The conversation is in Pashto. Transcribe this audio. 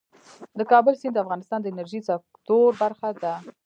د کابل سیند د افغانستان د انرژۍ سکتور برخه ده.